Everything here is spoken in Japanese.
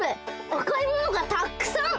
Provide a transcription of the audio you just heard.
赤いものがたくさん！